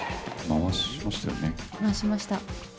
回しました。